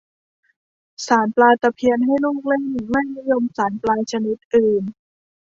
สานปลาตะเพียนให้ลูกเล่น ไม่นิยมสานปลาชนิดอื่น